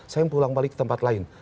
saya pulang balik ke tempat lain